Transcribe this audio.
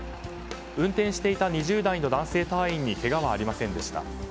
運転していた２０代の男性隊員にけがはありませんでした。